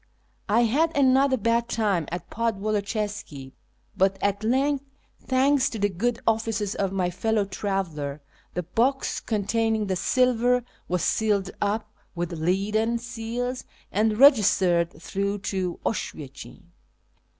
I had another bad time at Podwoloczyska, but at length, thanks to the good ofiices of my fellow traveller, the box con tainmg the silver was sealed up with leaden seals and registered through to Oswiecim.